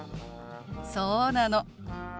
そうなの。